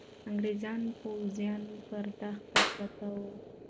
انګریزي پوځونه پر دښته پراته وو.